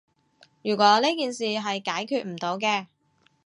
如果呢件事係解決唔到嘅